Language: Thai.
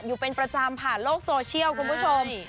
อยู่เป็นประจำผ่านโลกโซเชียลคุณผู้ชม